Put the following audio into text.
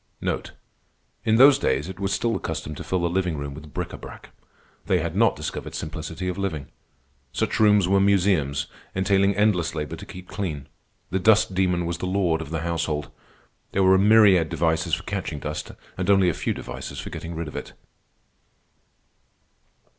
In those days it was still the custom to fill the living rooms with bric a brac. They had not discovered simplicity of living. Such rooms were museums, entailing endless labor to keep clean. The dust demon was the lord of the household. There were a myriad devices for catching dust, and only a few devices for getting rid of it.